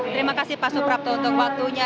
terima kasih pak suprapto untuk waktunya